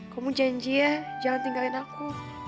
kamu janji ya jangan tinggalin aku